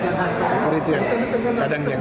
iya beri paham di sini tidak bisa saya hindari